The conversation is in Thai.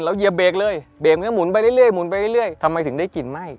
แล้วเกียร์เบรกเลยเบรกมันก็หมุนไปเรื่อยทำไมถึงได้กลิ่นไหม้